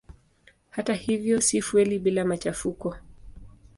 Hata hivyo si fueli bila machafuko.